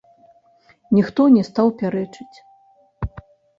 Ніхто не стаў пярэчыць.